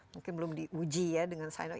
mungkin belum diuji ya dengan china